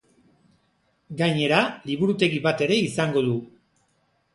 Gainera, liburutegi bat ere izango du.